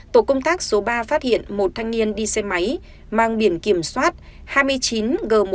tổ công tác số ba phát hiện một thanh niên đi xe máy mang biển kiểm soát hai mươi chín g một trăm chín mươi tám nghìn một trăm tám mươi